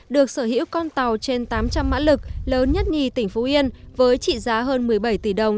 được sở hữu con tàu trên tám trăm linh mã lực lớn nhất nhì tỉnh phú yên với trị giá hơn một mươi bảy tỷ đồng